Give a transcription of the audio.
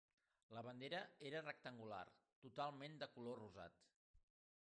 La bandera era rectangular totalment de color rosat.